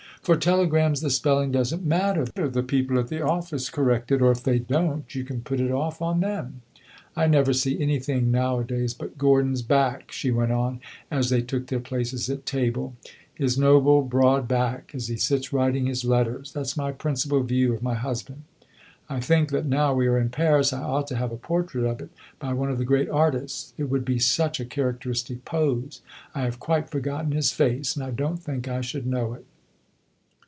For telegrams the spelling does n't matter; the people at the office correct it or if they don't you can put it off on them. I never see anything nowadays but Gordon's back," she went on, as they took their places at table "his noble broad back, as he sits writing his letters. That 's my principal view of my husband. I think that now we are in Paris I ought to have a portrait of it by one of the great artists. It would be such a characteristic pose. I have quite forgotten his face and I don't think I should know it."